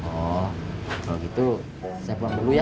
oh kalau gitu saya buang dulu ya